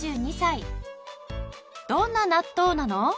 どんな納豆なの？